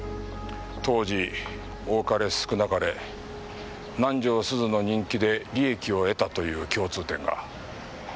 当時多かれ少なかれ南条すずの人気で利益を得たという共通点が。